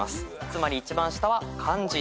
つまり一番下は漢字。